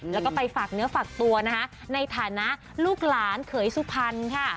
แล้วก็ไปฝากเนื้อฝากตัวนะคะในฐานะลูกหลานเขยสุพรรณค่ะ